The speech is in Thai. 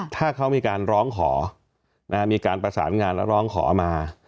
ถ้าเขามีการร้องขอมีการประสานงานและร้องขอมา